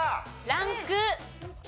ランク２。